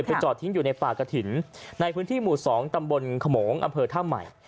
ไปจอดทิ้งอยู่ในป่ากะถิ่นในพื้นที่หมู่๒ตำบลขมงอท่าหมาย